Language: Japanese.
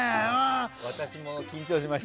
私も緊張しました。